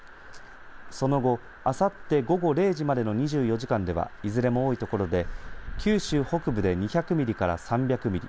その後あさって午後０時までの２４時間では、いずれも多いところで九州北部で２００ミリから３００ミリ